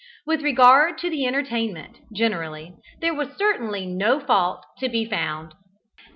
With regard to the entertainment, generally, there was certainly no fault to be found.